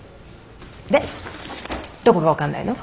でどこが分かんないの？